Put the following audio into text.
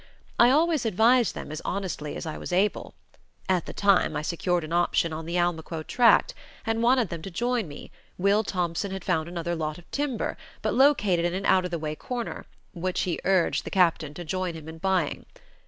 I always advised them as honestly as I was able. At the time I secured an option on the Almaquo tract, and wanted them to join me, Will Thompson had found another lot of timber, but located in an out of the way corner, which he urged the Captain to join him in buying.